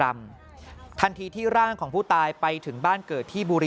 มันอยู่